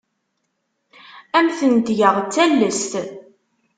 Ad am-tent-geɣ d tallest.